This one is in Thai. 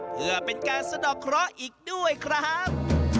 เพื่อเป็นการสะดอกเคราะห์อีกด้วยครับ